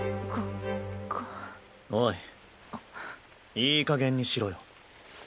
いいかげんにしろよ。